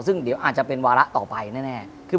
ซึ่งเดี๋ยวอาจจะเป็นวาระต่อไปแน่